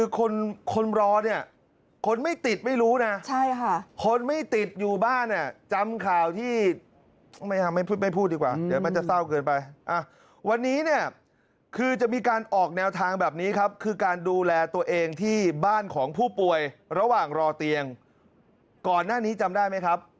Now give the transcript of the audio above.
ก่อนหน้านี้จำได้ไหมครับ